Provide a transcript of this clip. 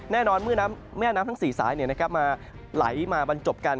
แน่นอนเมื่อแม่น้ำทั้ง๔สายมาไหลมาบรรจบกัน